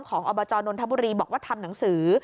อบจนนทบุรีบอกว่าทำหนังสือ